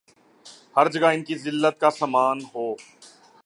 ہر جگہ ان کی زلت کا سامان ہو